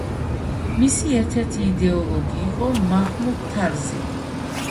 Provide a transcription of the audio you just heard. მისი ერთ-ერთი იდეოლოგი იყო მაჰმუდ თარზი.